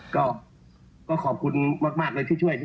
ก็ขอบคุณมากเลยที่ช่วย